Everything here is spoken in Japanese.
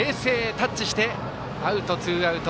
タッチしてツーアウト。